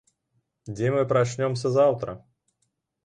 Дзе мы прачнёмся заўтра?